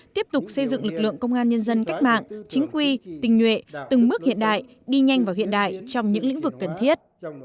tiếp tục xây dựng lực lượng công an nhân dân cách mạng chính quy tình nhuệ từng bước hiện đại đi nhanh và hiện đại trong những lĩnh vực cần thiết